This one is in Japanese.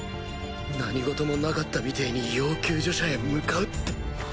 何事も無かったみてに「要救助者へ向かう」って。